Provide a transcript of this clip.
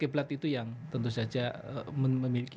geblat itu yang tentu saja memiliki